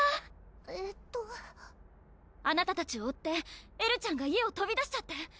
えっとあなたたちを追ってエルちゃんが家をとび出しちゃって！